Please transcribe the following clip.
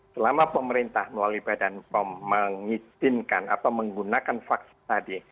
selama pemerintah melalui badan pom mengizinkan atau menggunakan vaksin tadi